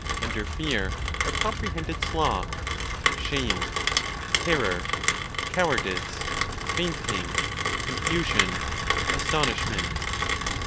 Under fear are comprehended sloth, shame, terror, coward ice, fainting, confusion, astonishment.